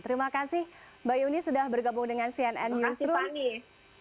terima kasih mbak yuni sudah bergabung dengan cnn news